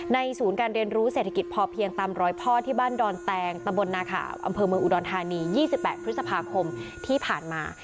ศูนย์การเรียนรู้เศรษฐกิจพอเพียงตามรอยพ่อที่บ้านดอนแตงตะบลนาขาวอำเภอเมืองอุดรธานี๒๘พฤษภาคมที่ผ่านมา